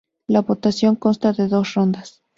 La votación consta de dos rondas.